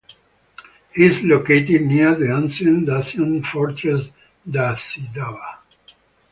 Is located near the ancient Dacian fortress Dacidava.